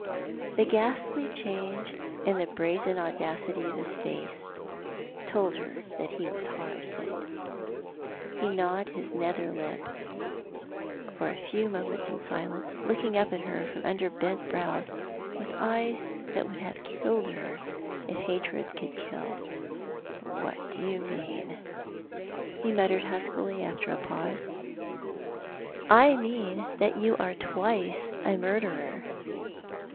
The ghastly change in the brazen audacity of his face told her that he was harl hit. Ho gnawed his nether lip for a 3IO Thou art the Ma7i. few moments in silence, looking up at lier from under bent brows, with eyes that would have killed her if hatred could kill. " What do you mean ?" he muttered huskily, after that pause. " I mean that you are twice a murderer."